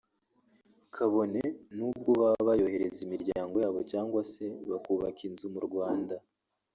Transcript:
kabone n’ubwo baba bayoherereza imiryango yabo cyangwa se bakubaka inzu mu Rwanda